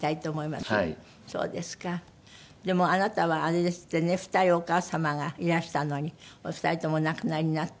でもあなたはあれですってね２人お母様がいらしたのにお二人ともお亡くなりになって。